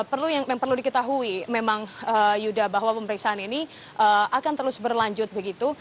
perlu diketahui memang yuda bahwa pemeriksaan ini akan terus berlanjut begitu